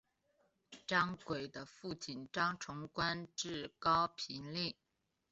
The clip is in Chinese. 张轨的父亲张崇官至高平令。